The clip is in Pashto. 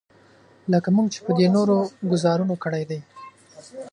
لکه موږ چې په دې نورو ګوزارونو کړی دی.